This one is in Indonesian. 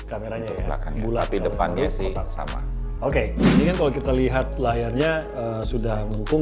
kameranya ya belakang bulat di depannya sih sama oke ini kan kalau kita lihat layarnya sudah menghukum